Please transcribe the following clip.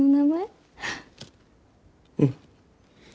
うん。